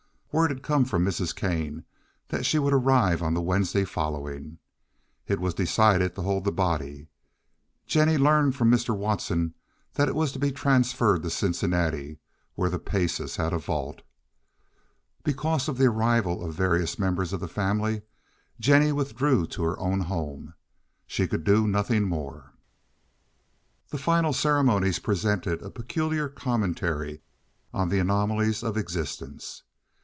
Word had come from Mrs. Kane that she would arrive on the Wednesday following. It was decided to hold the body. Jennie learned from Mr. Watson that it was to be transferred to Cincinnati, where the Paces had a vault. Because of the arrival of various members of the family, Jennie withdrew to her own home; she could do nothing more. The final ceremonies presented a peculiar commentary on the anomalies of existence.